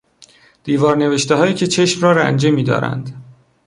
دیوار نوشتههایی که چشم را رنجه میدارند